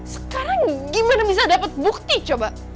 sekarang gimana bisa dapat bukti coba